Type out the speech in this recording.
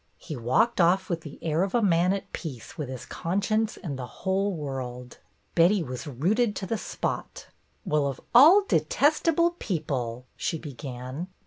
He walked off with the air of a man at peace with his conscience and the whole world. Betty was rooted to the spot. "Well, of all detestable people !" she began.